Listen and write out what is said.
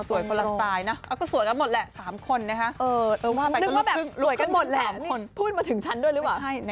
ผมยาวตรงตรงนะเออก็สวยกันหมดแหละ๓คนนะฮะเออนึกว่าแบบหลวยกันหมดแหละพูดมาถึงฉันด้วยหรือเปล่า